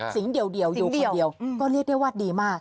เดียวอยู่เดียวก็เรียกได้ว่าดีมาก